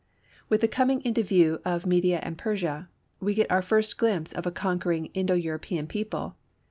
With the coming into view of Media and Persia, we get our first glimpse of a conquering Indo European people.